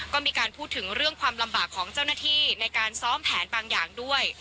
ก็มีการพูดถึงเรื่องความลำบากของเจ้าหน้าที่ในการซ้อมแผนบางอย่างด้วย